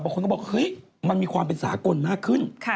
คนก็บอกเฮ้ยมันมีความเป็นสากลมากขึ้น